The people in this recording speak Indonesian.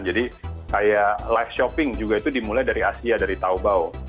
jadi kayak live shopping juga itu dimulai dari asia dari taobao